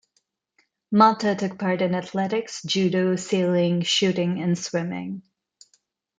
Malta took part in athletics, judo, sailing, shooting and swimming.